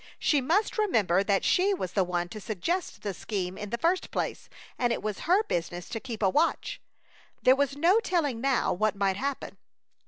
She must remember that she was the one to suggest the scheme in the first place, and it was her business to keep a watch. There was no telling now what might happen.